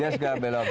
dia segera belok